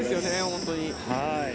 本当に。